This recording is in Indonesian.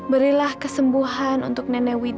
berilah kesembuhan untuk nenek widja